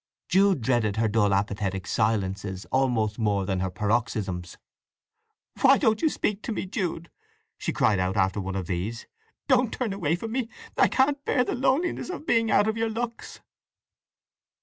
Jude dreaded her dull apathetic silences almost more than her paroxysms. "Why don't you speak to me, Jude?" she cried out, after one of these. "Don't turn away from me! I can't bear the loneliness of being out of your looks!"